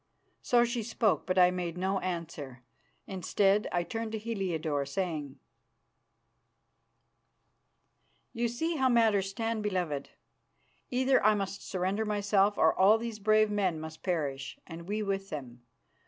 So she spoke, but I made no answer. Instead, I turned to Heliodore, saying, "You see how matters stand, beloved. Either I must surrender myself, or all these brave men must perish, and we with them.